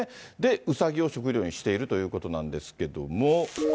うさぎを食料にしているということなんですけども。